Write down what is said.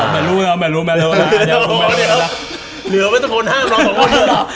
เหลือเมื่อกี๊คนห้ามเรา